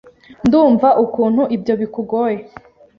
Ndumva ukuntu ibyo bikugoye.